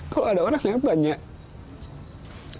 kalau ada orang bilang banyak